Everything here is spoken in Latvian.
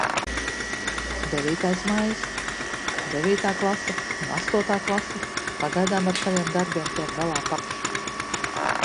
Devītais maijs. Devītā klase un astotā klase pagaidām ar saviem darbiem tiek galā paši.